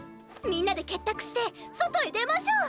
みんなで結託して外へ出ましょう。